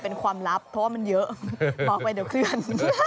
เป็นความลับเพราะว่ามันเยอะบอกไปเดี๋ยวเคลื่อน